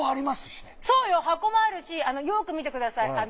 そうよ箱もあるしよく見てください。